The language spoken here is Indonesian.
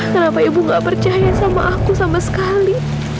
kenapa ibu nggak percaya sama aku sama sekali